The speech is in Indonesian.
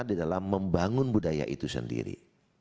di dalam membangun budaya itu sendiri